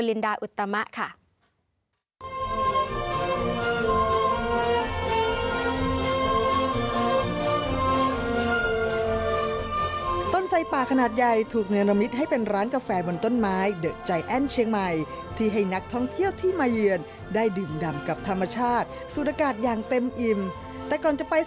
ติดตามจากรายงานคุณลินดาอุตมะค่ะ